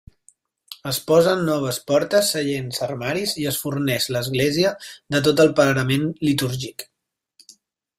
Es posen noves portes, seients, armaris i es forneix l'església de tot el parament litúrgic.